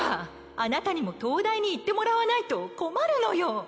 あなたにも東大に行ってもらわないと困るのよ！